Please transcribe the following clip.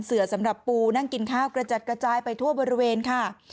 เสือสำหรับปูนั่งกินข้าวกระจัดกระจายไปทั่วบริเวณค่ะ